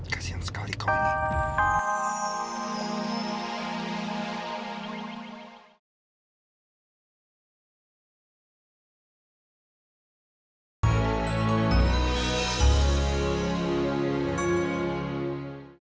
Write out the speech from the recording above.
kasian sekali kau ini